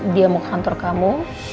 dia mau kantor kamu